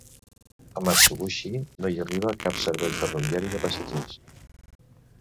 A Matsubushi no hi arriba cap servei ferroviari de passatgers.